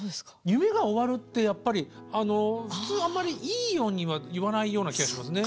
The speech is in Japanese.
「夢が終わる」ってやっぱり普通あんまりいいようには言わないような気がしますね。